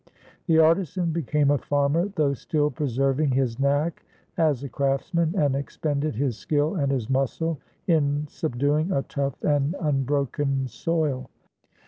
The artisan became a farmer, though still preserving his knack as a craftsman, and expended his skill and his muscle in subduing a tough and unbroken soil.